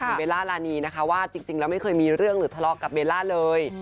คุณเบลล่ารานีนะคะว่าจริงแล้วไม่เคยมีเรื่องหรือทะเลาะกับเบลล่าเลย